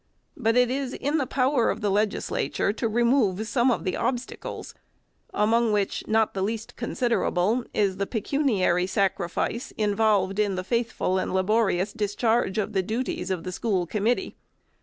But it is in the power of the Legis lature to remove some of the obstacles, among which not the least considerable is the pecuniary sacrifice involved 376 FIRST ANNUAL REPORT in the faithful and laborious discharge of the duties of the school committee.